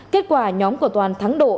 kết quả nhóm của toàn thắng độ